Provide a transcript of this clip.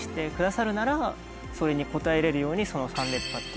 それに応えれるように。